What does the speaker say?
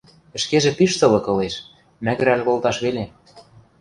Ӹшкежӹ пиш сылык ылеш, мӓгӹрӓл колташ веле.